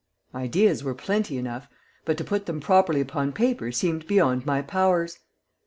Ideas were plenty enough, but to put them properly upon paper seemed beyond my powers.